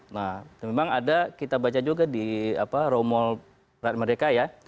nah memang ada kita baca juga di apa romuald ratna merdeka ya